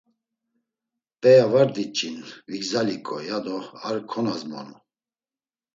P̌ea var diç̌in, vigzaliǩo, yado ar konazmonu.